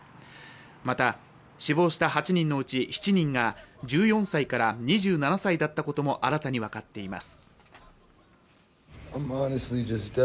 また死亡した８人のうち７人が１４歳から２７歳だったことも新たに分かっています。